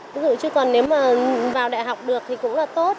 ví dụ chứ còn nếu mà vào đại học được thì cũng là tốt